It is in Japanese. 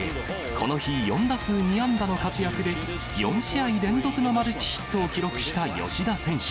この日４打数２安打の活躍で、４試合連続のマルチヒットを記録した吉田選手。